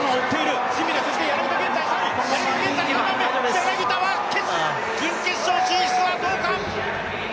柳田は準決勝進出はどうか？